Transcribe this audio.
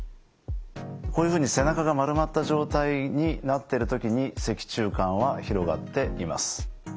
こういうふうに背中が丸まった状態になっている時に脊柱管は広がっています。